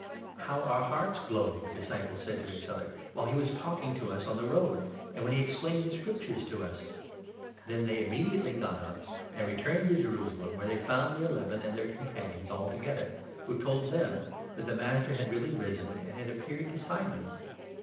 " How our hearts glowed," the disciples said to each other, 32 "while he was talking to us on the road, and when he ex plained the Scriptures to us !" Then they immediately got up and returned to Jerusalem, 33 where they found the Eleven and their companions all together, who told them that the Master had really risen, and had 34 appeared to Simon.